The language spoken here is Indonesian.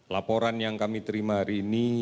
laporan yang kami terima hari ini